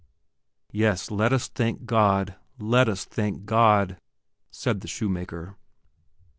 "Yes, let us thank God, let us thank God," said the shoemaker.